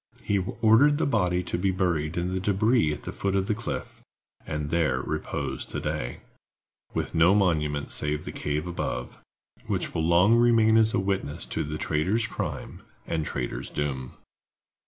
He ordered the body to be buried in the débris at the foot of the cliff; and there it reposes to day, with no monument save the cave above, which will long remain as a witness to the traitor's crime and traitor's doom.